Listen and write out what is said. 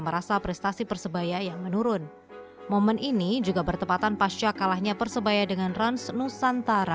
merasa prestasi persebaya yang menurun momen ini juga bertepatan pasca kalahnya persebaya dengan rans nusantara